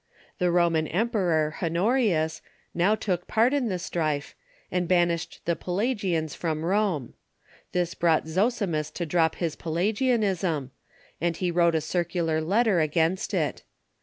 The Roman emperor, Ilonorius, now took part in the strife, and banished the Pelagians from Rome. This brought Zosimus to droj:) his Pelagianism, and he wrote a circular letter against it.